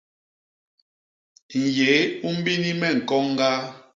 Nnyéé u mbini me nkoñ ñgaa.